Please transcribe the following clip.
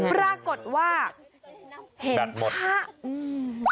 ปรากฏว่าเห็นภาพ